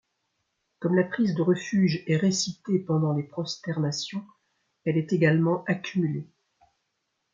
Comme la prise de refuge est récitée pendant les prosternations, elle est également accumulée.